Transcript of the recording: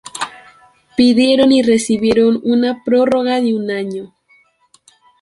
Pidieron y recibieron una prórroga de un año.